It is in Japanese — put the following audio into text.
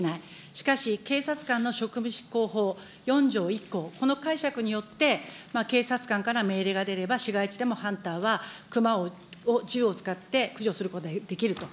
しかし警察官の職務執行法４条１項、この解釈によって、警察官から命令が出れば、市街地でもハンターは、熊を銃を使って駆除することができると。